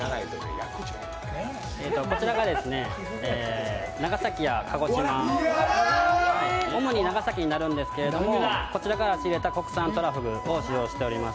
こちらが長崎や鹿児島、主に長崎になるんですけれども、こちらから仕入れた国産とらふぐを使用しています。